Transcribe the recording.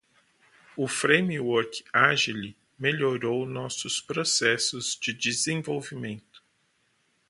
O Framework Agile melhorou nossos processos de desenvolvimento.